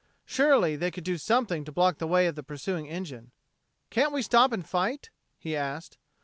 Surely they could do something to block the way of the pursuing engine. "Can't we stop and fight?" he asked.